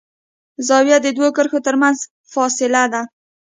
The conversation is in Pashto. زاویه د دوو کرښو تر منځ فاصله ده.